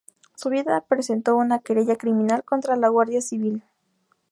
Su viuda presentó una querella criminal contra la Guardia Civil.